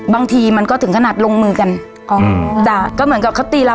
บางทีมันก็ถึงขนาดลงมือกันอ๋อจ้ะก็เหมือนกับเขาตีเรา